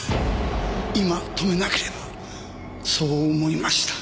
今止めなければそう思いました。